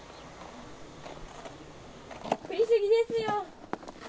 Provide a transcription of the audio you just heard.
降り過ぎですよ。